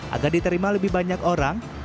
agar diterima lebih banyak orang